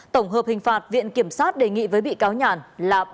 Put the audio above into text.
tổng hợp hình phạt viện kiểm sát đề nghị với bị cáo nhàn là ba mươi năm tù